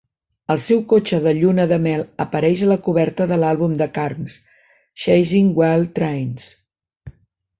El seu cotxe de lluna de mel apareix a la coberta de l'àlbum de Carnes, "Chasin' Wild Trains".